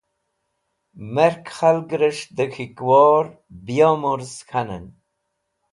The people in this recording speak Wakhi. merk khalg'resh da k̃hikwor biyomurz k̃hanen